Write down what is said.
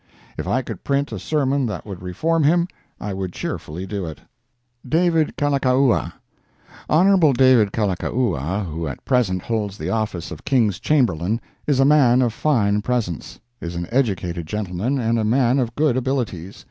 If I could print a sermon that would reform him, I would cheerfully do it. DAVID KALAKA Hon. David Kalakaua, who at present holds the office of King's Chamberlain, is a man of fine presence, is an educated gentleman and a man of good abilities.